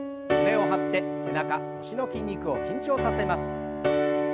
胸を張って背中腰の筋肉を緊張させます。